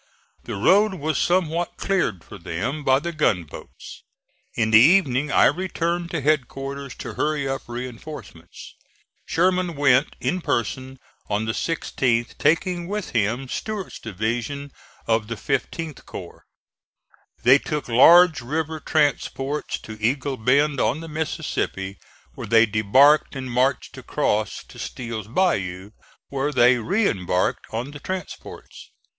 The road was somewhat cleared for them by the gunboats. In the evening I returned to headquarters to hurry up reinforcements. Sherman went in person on the 16th, taking with him Stuart's division of the 15th corps. They took large river transports to Eagle Bend on the Mississippi, where they debarked and marched across to Steel's Bayou, where they re embarked on the transports.